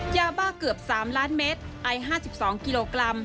ยาบ้าเกือบ๓ล้านเมตรไอ๕๒กิโลกรัม